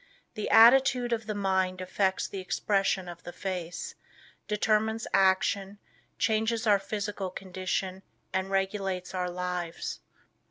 The attitude of the mind affects the expression of the face, determines action, changes our physical condition and regulates our lives.